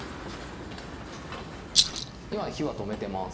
今は火は止めてます